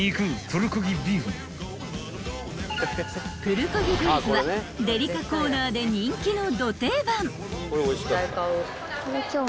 ［プルコギビーフはデリカコーナーで人気のド定番］